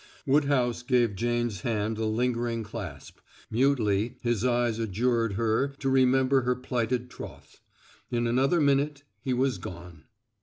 Woodhouse gave Jane's hand a lingering clasp; mutely his eyes adjured her to remember her plighted troth. In another minute he was gone.